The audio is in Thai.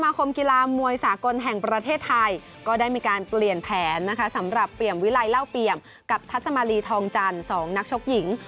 คมกีฬามวยสากลแห่งประเทศไทยก็ได้มีการเปลี่ยนแผนนะคะสำหรับเปี่ยมวิลัยเล่าเปี่ยมกับทัศมาลีทองจันทร์๒นักชกหญิง